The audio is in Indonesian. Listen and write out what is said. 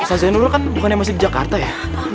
ustadz nurul kan bukan yang masih di jakarta ya